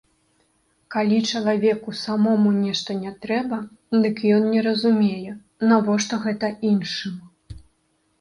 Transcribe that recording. Калі чалавеку самому нешта не трэба, дык ён не разумее, навошта гэта іншым.